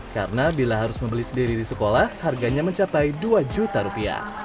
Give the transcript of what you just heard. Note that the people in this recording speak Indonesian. karena bila harus membeli sendiri di sekolah harganya mencapai dua juta rupiah